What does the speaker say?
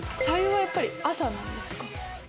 白湯はやっぱり朝なんですか？